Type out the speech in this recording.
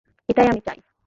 এটাই আমি চাই।